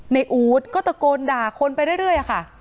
อู๊ดก็ตะโกนด่าคนไปเรื่อยค่ะ